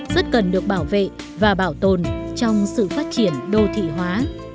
rất cần được bảo vệ và bảo tồn trong sự phát triển đô thị hóa